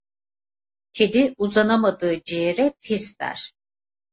Kedi uzanamadığı ciğere, pis der.